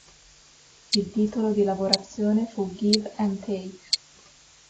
Il titolo di lavorazione fu "Give and Take".